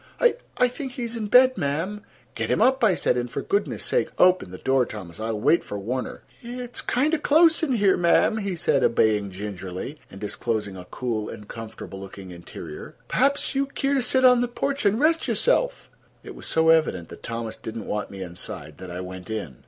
"I—I think he's in bed, ma'm." "Get him up," I said, "and for goodness' sake open the door, Thomas. I'll wait for Warner." "It's kind o' close in here, ma'm," he said, obeying gingerly, and disclosing a cool and comfortable looking interior. "Perhaps you'd keer to set on the porch an' rest yo'self." It was so evident that Thomas did not want me inside that I went in.